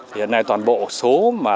hiện nay toàn bộ số